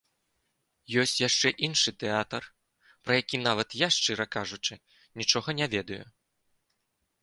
Ёсць яшчэ іншы тэатр, пра які нават я, шчыра кажучы, нічога не ведаю.